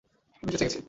আমি বেঁচে গেছি!